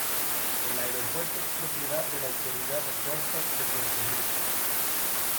El aeropuerto es propiedad de la Autoridad de Puertos de Puerto Rico.